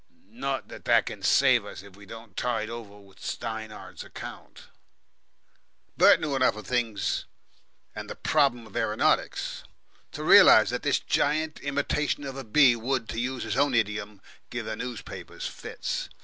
Not that that can save us, if we don't tide over with Steinhart's account." Bert knew enough of things and the problem of aeronautics to realise that this gigantic imitation of a bee would, to use his own idiom, "give the newspapers fits."